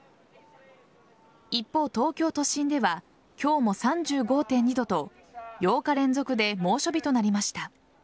一方、東京都心では今日も３５．２度と８日連続で猛暑日となりました。